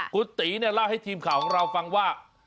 คุณตีเนี่ยเล่าให้ทีมข่าวของเราฟังว่า